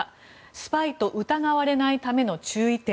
スパイと疑われないための注意点。